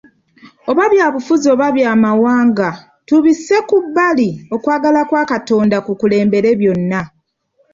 Oba byabufuzi oba by'amawanga tubisse kubbali okwagala kwa Katonda kukulembere byonna.